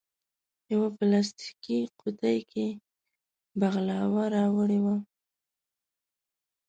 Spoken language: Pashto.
یوه پلاستیکي قوتۍ کې بغلاوه راوړې وه.